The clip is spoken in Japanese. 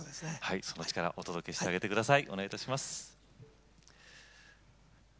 その力をお届けしてください。